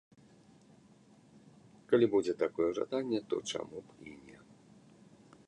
Калі будзе такое жаданне, то чаму б і не.